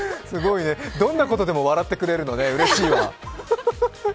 すごいね、どんなことでも笑ってくれるのね、うれしいわ。